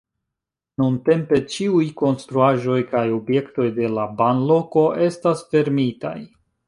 Nuntempe ĉiuj konstruaĵoj kaj objektoj de la banloko estas fermitaj.